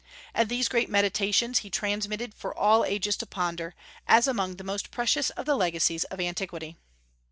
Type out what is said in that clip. And these great meditations he transmitted for all ages to ponder, as among the most precious of the legacies of antiquity.